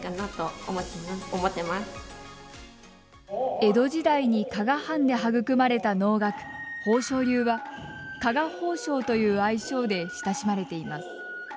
江戸時代に加賀藩で育まれた能楽宝生流は加賀宝生という愛称で親しまれています。